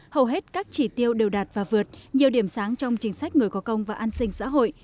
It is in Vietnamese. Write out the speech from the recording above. hầu hết các chỉ tiêu đều đạt và vượt nhiều điểm sáng trong chính sách người có công và an sinh xã hội